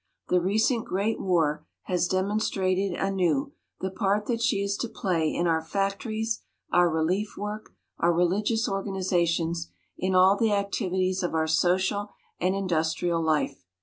The recent great war has demonstrated anew the part that she is to play in our factories, our relief work, our religious organizations in all the activities of our social and indus trial life.